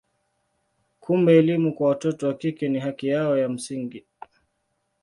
Kumbe elimu kwa watoto wa kike ni haki yao ya msingi.